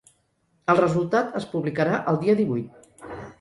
El resultat es publicarà el dia divuit.